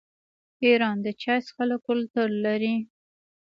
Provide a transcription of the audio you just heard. ایران د چای څښلو کلتور لري.